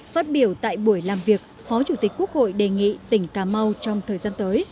phát biểu tại buổi làm việc phó chủ tịch quốc hội đề nghị tỉnh cà mau trong thời gian tới